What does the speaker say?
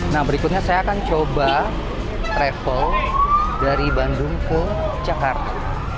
nah berikutnya saya akan coba travel dari bandung ke jakarta